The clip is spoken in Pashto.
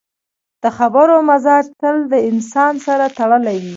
د خبرو مزاج تل د انسان سره تړلی وي